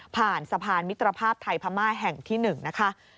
สะพานมิตรภาพไทยพม่าแห่งที่๑นะคะ